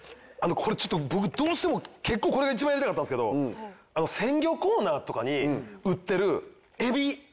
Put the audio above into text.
これちょっと僕どうしても結構これが一番やりたかったんですけど鮮魚コーナーとかに売ってるエビって生きてるじゃないですか。